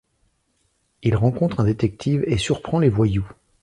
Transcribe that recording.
Il rencontre un détective et surprend les voyous.